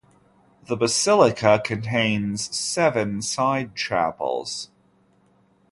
The Basilica contains seven side chapels.